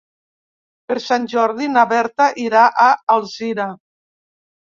Per Sant Jordi na Berta irà a Alzira.